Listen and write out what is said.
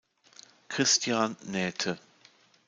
Christian Nähte